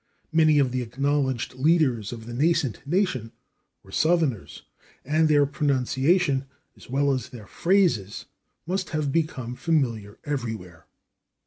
Many of the acknowledged leaders of the nascent nation were Southerners, and their pronunciation, as well as their phrases, must have become familiar everywhere.